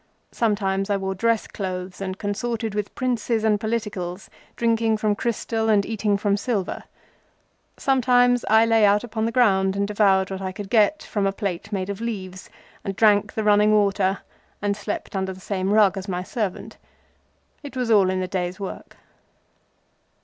Sometimes I wore dress clothes and consorted with Princes and Politicals, drinking from crystal and eating from silver. Sometimes I lay out upon the ground and devoured what I could get, from a plate made of a flapjack, and drank the running water, and slept under the same rug as my servant. It was all in a day's work.